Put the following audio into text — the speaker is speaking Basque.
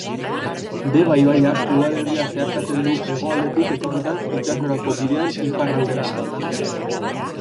Deba ibaiak udalerria zeharkatzen du hegoaldetik etorrita itsasorako bidean iparralderantz.